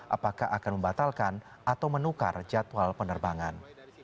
apakah akan membatalkan atau menukar jadwal penerbangan